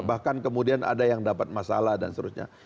bahkan kemudian ada yang dapat masalah dan seterusnya